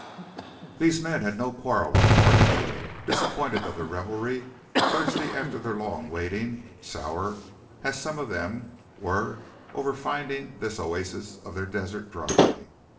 These men had no quarrel with Morgan, disappointed of their revelry, thirsty after their long waiting, sour as some of them were over finding this oasis of their desert dry.